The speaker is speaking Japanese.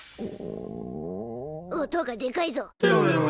音がでかいぞ。